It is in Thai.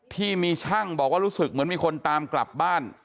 ที่มีช่างบอกว่ารู้สึกเหมือนมีคนตามกลับบ้าน